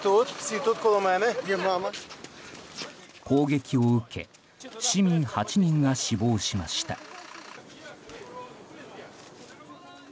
攻撃を受け市民８人が死亡しました。